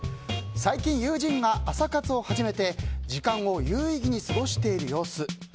最近、友人が朝活を始めて時間を有意義に過ごしている様子。